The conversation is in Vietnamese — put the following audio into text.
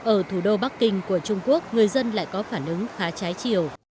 ở thủ đô bắc kinh của trung quốc người dân lại có phản ứng khá trái chiều